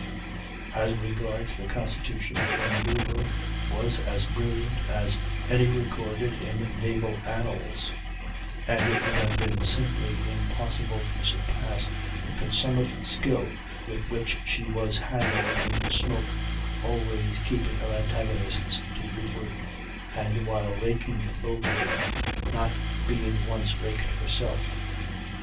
] As regards the Constitution, "her manoeuvring was as brilliant as any recorded in naval annals," and it would have been simply impossible to surpass the consummate skill with which she was handled in the smoke, always keeping her antagonists to leeward, and, while raking both of them, not being once raked herself.